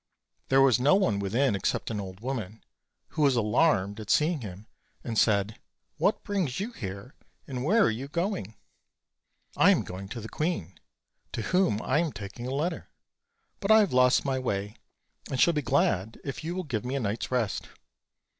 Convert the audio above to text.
There was no one within except an old woman, 66 OLD, OLD FAIRY TALES. who was alarmed at seeing him and said: "What brings you here, and where are you going?" "I am going to the queen, to whom I am taking a let ter; but I have lost my way, and shall be glad if you will give me a night's rest."